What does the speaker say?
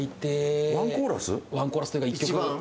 ワンコーラスというか一曲。